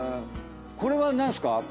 これは何すか？